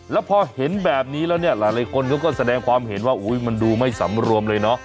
แล้วพอเห็นแบบนี้แล้วเนี่ยหลายคนเขาก็แสดงความเห็นว่ามันดูไม่สำรวมเลยเนาะ